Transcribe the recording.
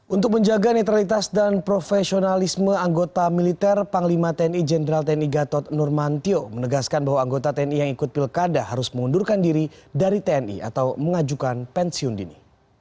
untuk menjaga netralitas dan profesionalisme anggota militer panglima tni jenderal tni gatot nurmantio menegaskan bahwa anggota tni yang ikut pilkada harus mengundurkan diri dari tni atau mengajukan pensiun dini